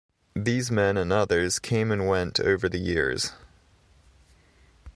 These men and others came and went over the years.